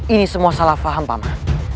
ini semua salah faham pak mat